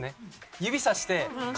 指さして顔